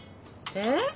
えっ？